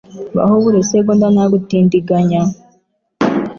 Baho buri segonda nta gutindiganya.